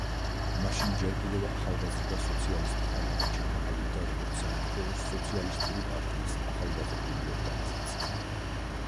მაშინ ჯერ კიდევ ახალგაზრდა სოციალისტთა ლიგა, ჩამოყალიბდა როგორც საქართველოს სოციალისტური პარტიის ახალგაზრდული ორგანიზაცია.